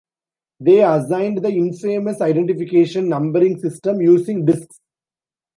They assigned the infamous identification numbering system using discs.